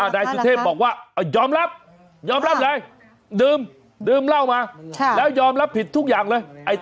นายสุเทพบอกว่ายอมรับยอมรับเลยดื่มเหล้ามาแล้วยอมรับผิดทุกอย่างเลย